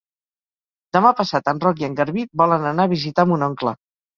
Demà passat en Roc i en Garbí volen anar a visitar mon oncle.